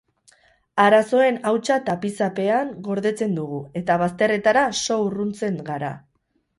Arazoen hautsa tapiza pean gordetzen dugu eta bazterretara so urruntzen gara.